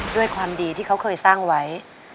ด้วยความดีที่เขาเคยสร้างไว้